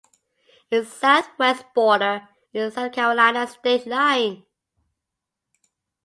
Its southwest border is the South Carolina state line.